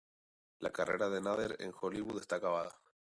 La carrera de Nader en Hollywood estaba acabada.